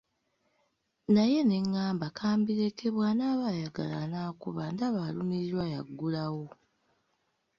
Naye ne ngamba ka mbireke bw'anaaba ayagala anaakuba ndaba alumirirwa y'aggulawo.